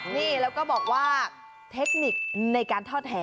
นี่แล้วก็บอกว่าเทคนิคในการทอดแห่